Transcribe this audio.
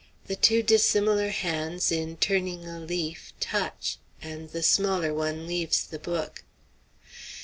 The two dissimilar hands, in turning a leaf, touch, and the smaller one leaves the book.